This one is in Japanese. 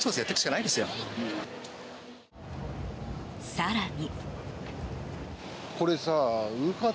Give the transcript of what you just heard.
更に。